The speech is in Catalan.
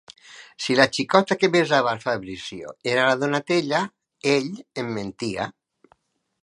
Si la xicota que besava al Fabrizio era la Donatella, ell em mentia.